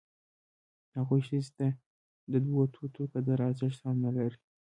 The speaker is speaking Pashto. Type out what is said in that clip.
هغوی ښځې ته د دوه توتو قدر ارزښت هم نه لري.